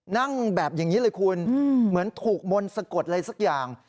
นั่งแบบอย่างนี้เลยคุณเหมือนถูกมนต์สะกดอะไรสักอย่าง